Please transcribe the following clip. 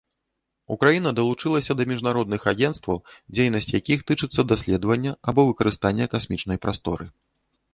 Украіна далучылася да міжнародных агенцтваў, дзейнасць якіх тычыцца даследавання або выкарыстання касмічнай прасторы.